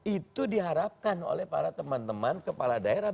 itu diharapkan oleh para teman teman kepala daerah